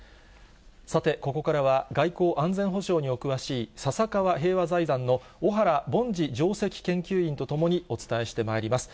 さて、ここからは外交・安全保障にお詳しい、笹川平和財団の小原凡司上席研究員と共にお伝えしてまいります。